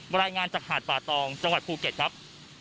รายงานจากหาดป่าตองจังหวัดภูเก็ตครับ